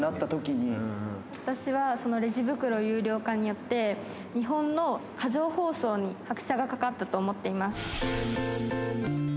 私は、そのレジ袋有料化によって、日本の過剰包装に拍車がかかったと思っています。